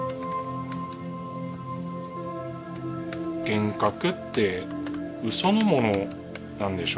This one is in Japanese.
「幻覚ってうそのものなんでしょ？」